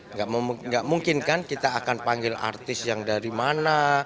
nggak mungkin kan kita akan panggil artis yang dari mana